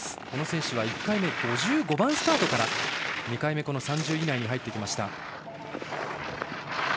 この選手は１回目５５番スタートから２回目、３０位以内に入ってきました。